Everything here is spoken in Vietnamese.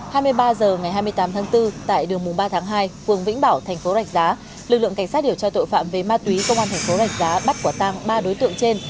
hai mươi ba h ngày hai mươi tám tháng bốn tại đường mùng ba tháng hai phường vĩnh bảo thành phố rạch giá lực lượng cảnh sát điều tra tội phạm về ma túy công an thành phố rạch giá bắt quả tang ba đối tượng trên